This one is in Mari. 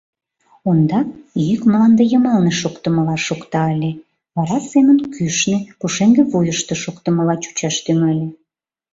Ондак йӱк мланде йымалне шоктымыла шокта ыле, вара семын кӱшнӧ, пушеҥгывуйышто, шоктымыла чучаш тӱҥале.